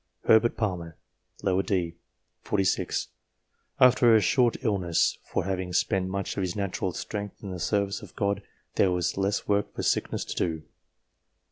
Herbert Palmer, d. set. 46, after a short illness ;" for, having spent much of his natural strength in the service of God, there was less work for sickness to do."